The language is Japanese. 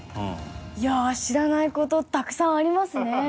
いやあ知らない事たくさんありますね